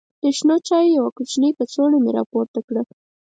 د شنو چایو یوه کوچنۍ کڅوړه مې راپورته کړه.